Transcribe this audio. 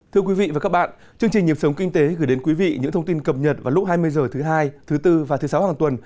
thưa quý vị và các bạn chương trình nhịp sống kinh tế gửi đến quý vị những thông tin cập nhật vào lúc hai mươi h thứ hai thứ bốn và thứ sáu hàng tuần